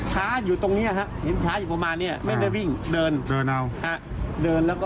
แค่เราก็จะครบไปทันเกียจดูแบบ